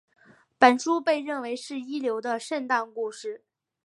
本书被认为是一流的圣诞故事。